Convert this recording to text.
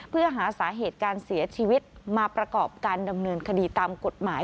เพื่อหาสาเหตุการเสียชีวิตมาประกอบการดำเนินคดีตามกฎหมาย